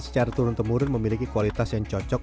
secara turun temurun memiliki kualitas yang cocok